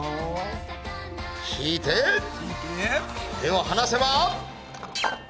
引いて手を離せば！